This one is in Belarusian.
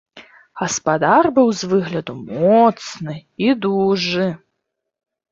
Гаспадар быў з выгляду моцны і дужы.